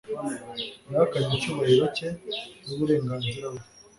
Yahakanye icyubahiro cye nuburenganzira bwe